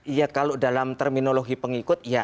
iya kalau dalam terminologi pengikut ya